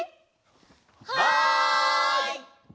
はい！